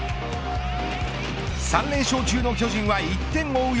３連勝中の巨人は１点を追う